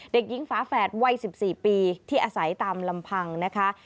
เด็กหญิงฝาแฝดวัย๑๔ปีที่อาศัยตามลำพังนะคะ